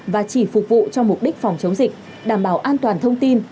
và chỉ phục vụ cho mục đích phòng chống dịch đảm bảo an toàn thông tin